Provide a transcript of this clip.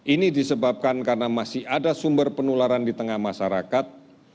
ini disebabkan karena masih ada sumber penularan di tengah masyarakat